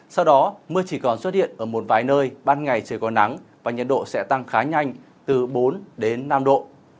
sau đó mưa chỉ còn xuất hiện ở một vài nơi ban ngày trời có nắng và nhiệt độ sẽ tăng khá nhanh từ bốn đến năm độ